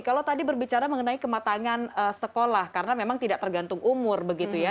kalau tadi berbicara mengenai kematangan sekolah karena memang tidak tergantung umur begitu ya